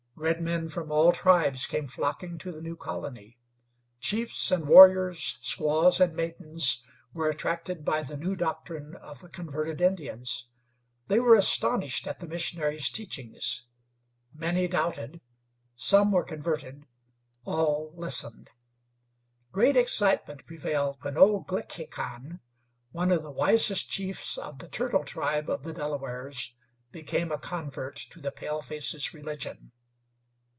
Redmen from all tribes came flocking to the new colony. Chiefs and warriors, squaws and maidens, were attracted by the new doctrine of the converted Indians. They were astonished at the missionaries' teachings. Many doubted, some were converted, all listened. Great excitement prevailed when old Glickhican, one of the wisest chiefs of the Turtle tribe of the Delawares, became a convert to the palefaces' religion.